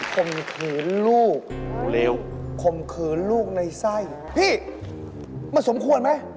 ข่มขืนลูกข่มขืนลูกในไส้พี่มันสมควรไหม